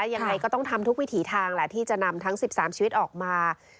ยังไงก็ต้องทำทุกวิถีทางแหละที่จะนำทั้ง๑๓ชีวิตออกมา